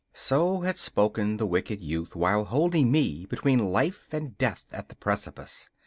So had spoken the wicked youth while holding me between life and death at the precipice.